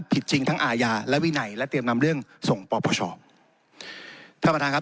ผิดจริงทั้งอาญาวิไหนและเตรียมนำเรื่องส่งปรปชาว